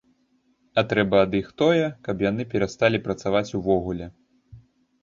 А трэба ад іх тое, каб яны перасталі працаваць увогуле.